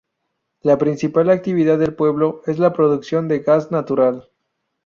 La principal actividad del pueblo es la producción de gas natural.